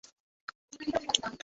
এটি আফ্রিকার সবচেয়ে পশ্চিমের শহর।